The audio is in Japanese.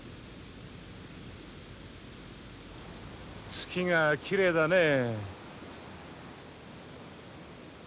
月がきれいだねえ。